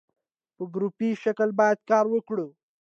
په ګروپي شکل باید کار وکړي.